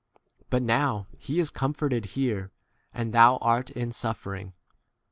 But now he is comforted here, v and 20 thou art in suffering.